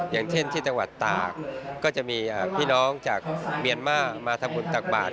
อย่างเช่นที่จังหวัดตากก็จะมีพี่น้องจากเมียนมาร์มาทำบุญตักบาท